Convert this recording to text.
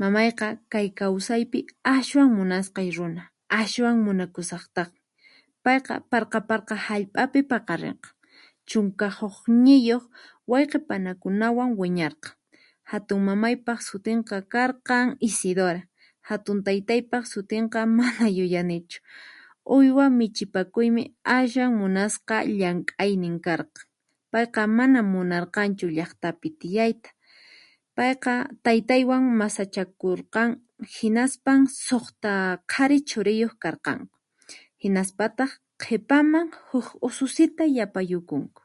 Mamayqa kay kawsaypi aswan munasqay runa, aswan munakusaqtaqmi, payqa Parqa Parqa hallp'api paqarirqan, chunka hukniyuq wayqipanakunawan wiñarqan. Hatun mamaypaq sutinqa karqan Isidora, hatun taytaypaq sutinqa mana yuyanichu. Uywa michipakuymi aswam munasqa llamk'aynin karqan, payqa mana munarqanchu llaqtapi tiyayta, payqa taytaywan masachakurqan hinaspam suqta qhari churiyuq karqanku, hinaspataq qhipaman huk ususita yapayukunku.